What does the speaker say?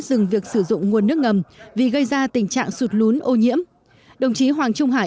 dừng việc sử dụng nguồn nước ngầm vì gây ra tình trạng sụt lún ô nhiễm đồng chí hoàng trung hải